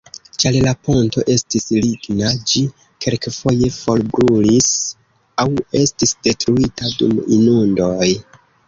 Ĉar la ponto estis ligna, ĝi kelkfoje forbrulis aŭ estis detruita dum inundoj.